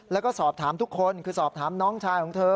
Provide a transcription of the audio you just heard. แล้วก็สอบถามทุกคนคือสอบถามน้องชายของเธอ